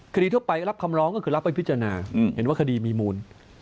คดีทั่วไปรับคำร้องก็คือรับไปพิจารณาเห็นว่าคดีมีมูล